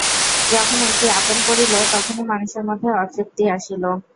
যখন একটি আপেল পড়িল, তখনই মানুষের মধ্যে অতৃপ্তি আসিল।